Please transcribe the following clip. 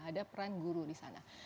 ada peran guru di sana